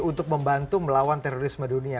untuk membantu melawan terorisme dunia